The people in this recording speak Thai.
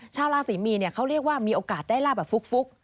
ชาวราศรีมีนเขาเรียกว่ามีโอกาสได้ลาบแบบฟุก